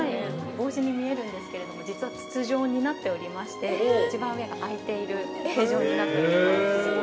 ◆帽子に見えるんですけれども実は、筒状になっておりまして一番上があいている形状になっております。